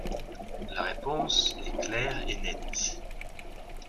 La réponse est claire et nette.